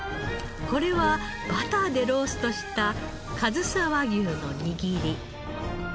これはバターでローストしたかずさ和牛の握り。